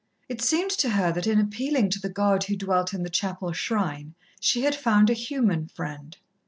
It seemed to her that in appealing to the God who dwelt in the chapel shrine, she had found a human friend.